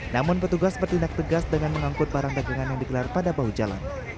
namun petugas bertindak tegas dengan mengangkut barang dagangan yang digelar pada bahu jalan